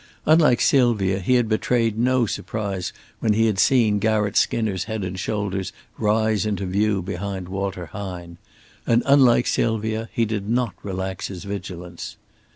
Unlike Sylvia he had betrayed no surprise when he had seen Garratt Skinner's head and shoulders rise into view behind Walter Hine; and unlike Sylvia, he did not relax his vigilance.